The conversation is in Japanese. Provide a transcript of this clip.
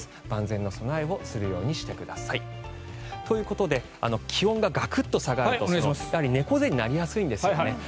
万全の備えをするようにしてください。ということで気温がガクッと下がるとやはり猫背になりやすいんですよね。